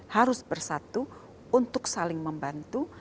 harus bersatu untuk saling membantu